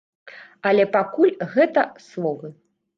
Але пакуль гэта словы.